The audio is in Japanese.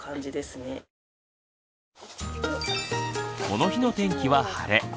この日の天気は晴れ。